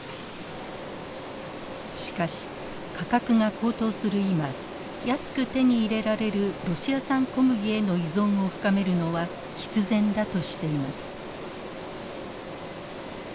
しかし価格が高騰する今安く手に入れられるロシア産小麦への依存を深めるのは必然だとしています。